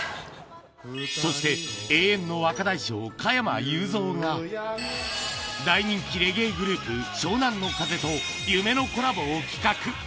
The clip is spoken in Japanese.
そして、永遠の若大将、加山雄三が、大人気レゲエグループ、湘南乃風と夢のコラボを企画。